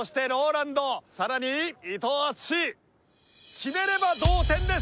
決めれば同点です。